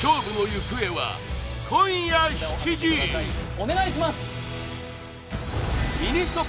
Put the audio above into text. お願いします！